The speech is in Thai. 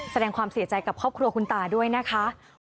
แสดงความเสียใจกับครอบครัวคุณตาด้วยนะคะ